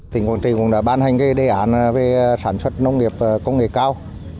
tỉnh quảng trị cũng đã ban hành đề án về sản xuất nông nghiệp công nghệ cao